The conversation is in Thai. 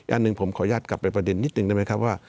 อันหนึ่งผมขออนุญาตกลับไปประเด็นนิดนึงได้ไหมครับว่า